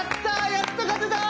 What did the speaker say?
やっと勝てた！